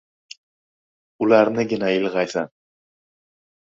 ularnigina ilgʻaysan.